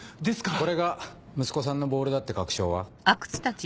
これが息子さんのボールだって確証は？